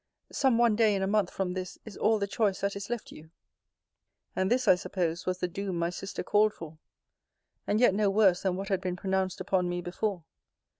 Some one day in a month from this is all the choice that is left you. And this, I suppose, was the doom my sister called for; and yet no worse than what had been pronounced upon me before.